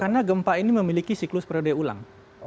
karena gempa ini memiliki siklus periode ulang